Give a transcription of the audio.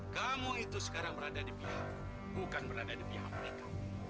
kamu itu sekarang berada di pihak bukan berada di pihak mereka